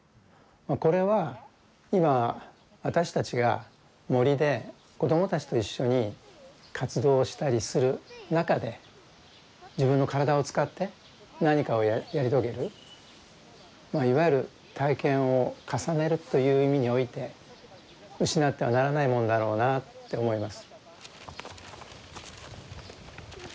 これは今私たちが森で子どもたちと一緒に活動したりする中で自分の体を使って何かをやり遂げるいわゆる体験を重ねるという意味において失ってはならないもんだろうなって思います。